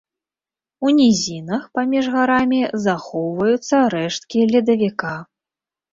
У нізінах паміж гарамі захоўваюцца рэшткі ледавіка.